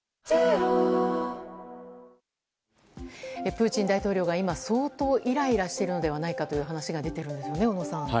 プーチン大統領が今相当イライラしているのではないかという話が出ているんですよね、小野さん。